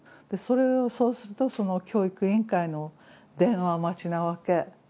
そうするとその教育委員会の電話待ちなわけ。